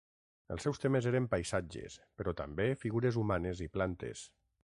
Els seus temes eren, paisatges però també figures humanes i plantes.